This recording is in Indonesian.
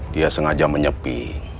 dia sengaja menyepi